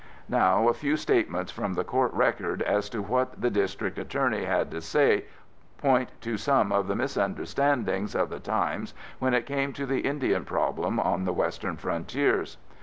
Now, a few statements from the court record as to what the District Attorney had to say point to some of the misunderstandings of the times when it came to the Indian problems on the western frontiers.